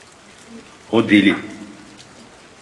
O deli.